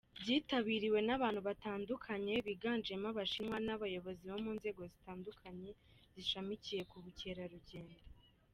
Byitabiriwe n’abantu batandukanye biganjemo Abashinwa n’abayobozi mu nzego zitandukanye zishamikiye ku bukerarugendo.